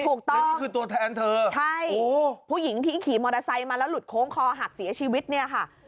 ถูกต้องใช่ผู้หญิงที่ขี่มอเตอร์ไซค์มาแล้วหลุดโค้งคอหักเสียชีวิตนี่ค่ะ